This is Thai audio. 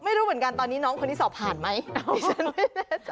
ไม่รู้เหมือนกันตอนนี้น้องคู่ที่สอบผ่านหรือก็ไม่แน่ใจ